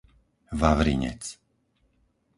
Vavrinec